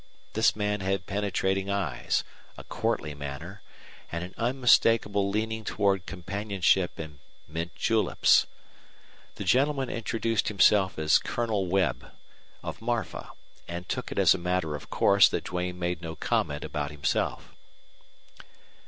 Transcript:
This man had penetrating eyes, a courtly manner, and an unmistakable leaning toward companionship and mint juleps. The gentleman introduced himself as Colonel Webb, of Marfa, and took it as a matter of course that Duane made no comment about himself.